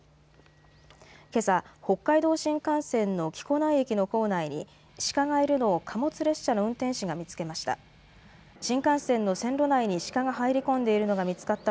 けさ、北海道新幹線の木古内駅の構内にシカがいるのを貨物列車の運転士が見つけました。